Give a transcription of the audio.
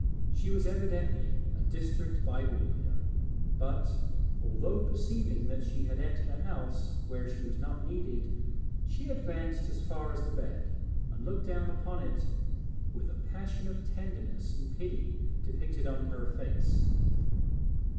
She was evidently a district Bible reader, but, although perceiving that she had entered a house where she was not needed, she advanced as far as the bed and looked down upon it with a passion of tenderness and pity depicted on her face.